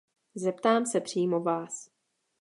Zeptám se přímo vás.